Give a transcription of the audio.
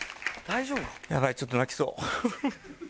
やばいちょっと泣きそう。